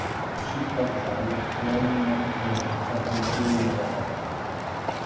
The ship capsized, throwing most of the cast and crew in the water.